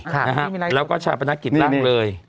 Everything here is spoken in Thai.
ค่ะแล้วก็ชาปนาศกิจล่างเลย